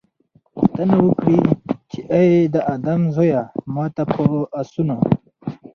پوښتنه وکړي چې اې د آدم زويه! ما ته په آسونو